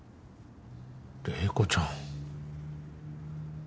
麗子ちゃん。